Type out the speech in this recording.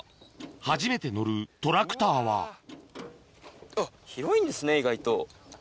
初めて乗るトラクターはあっ広いんですね意外と。